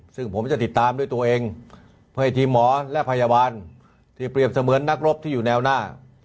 ซึ่งผมจะติดตามด้วยตัวเองเพื่อให้ทีมหมอและพยาบาลที่เปรียบเสมือนนักรบที่อยู่แนวหน้า